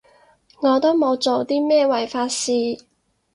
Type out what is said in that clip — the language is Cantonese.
我都冇做啲咩違法事